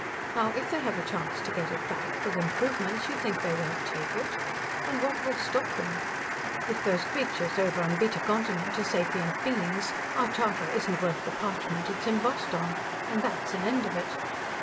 Now, if they have a chance to get it back, with improvements, you think they won't take it? And what will stop them? If those creatures over on Beta Continent are sapient beings, our charter isn't worth the parchment it's engrossed on, and that's an end of it."